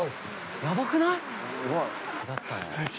◆やばくない！？